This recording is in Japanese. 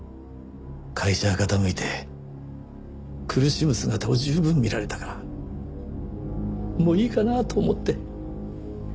会社が傾いて苦しむ姿を十分見られたからもういいかなと思って。